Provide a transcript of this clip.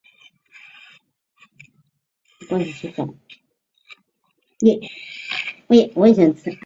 北方斑点鸮主要栖息在古老原始林及原始和幼生树林的混合地区。